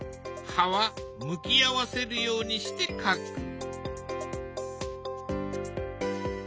葉は向き合わせるようにして描く。